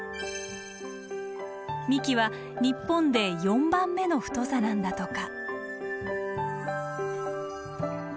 幹は日本で４番目の太さなんだとか。